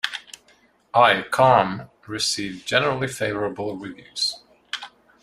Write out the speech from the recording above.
"I Com" received generally favorable reviews.